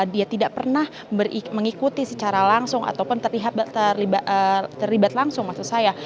dia tidak pernah mengikuti secara langsung ataupun terlibat langsung maksud saya